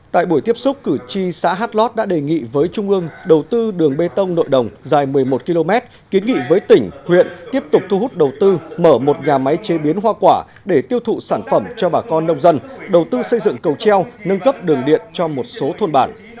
tại buổi tiếp xúc cử tri xã hát lót đã đề nghị với trung ương đầu tư đường bê tông nội đồng dài một mươi một km kiến nghị với tỉnh huyện tiếp tục thu hút đầu tư mở một nhà máy chế biến hoa quả để tiêu thụ sản phẩm cho bà con nông dân đầu tư xây dựng cầu treo nâng cấp đường điện cho một số thôn bản